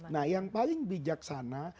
nah yang paling bijaksana